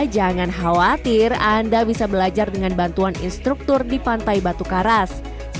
jangan khawatir anda bisa belajar dengan bantuan instruktur di pantai batu karas